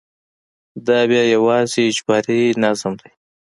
دا بیا یوازې اجباري نظم دی.